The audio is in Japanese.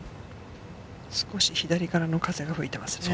少し左からの風が吹いてますね。